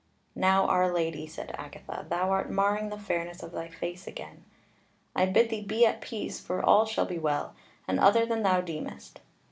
"Now, our Lady," said Agatha, "thou art marring the fairness of thy face again. I bid thee be at peace, for all shall be well, and other than thou deemest.